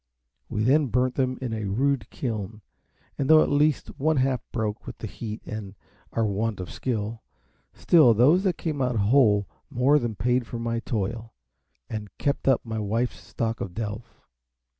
We then burnt them in a rude kiln, and though at least one half broke with the heat and our want of skill, still those that came out whole more than paid me for my toil, and kept up my wife's stock of delf.